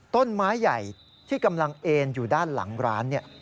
ต้นไม้ใหญ่ที่กำลังเอ็นอยู่ด้านหลังร้าน